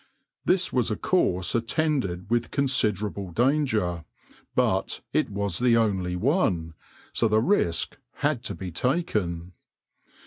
This was a course attended with considerable danger, but it was the only one, so the risk had to be taken.